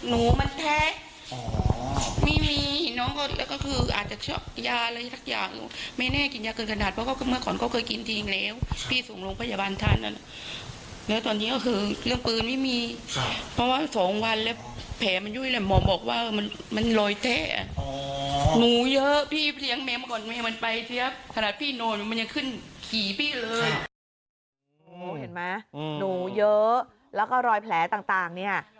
เห็นไหมหนูเยอะแล้วก็รอยแผลต่างเนี่ย